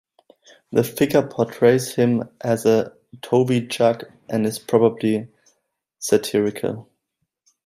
The figure portrays him as a toby jug and is probably satirical.